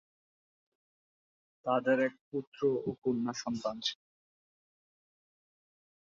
তাদের এক পুত্র ও কন্যা সন্তান ছিল।